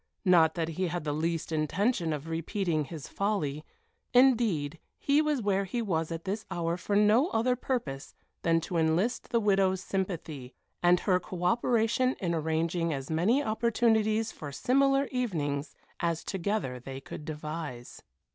Not that he had the least intention of not repeating his folly indeed, he was where he was at this hour for no other purpose than to enlist the widow's sympathy, and her co operation in arranging as many opportunities for similar evenings as together they could devise.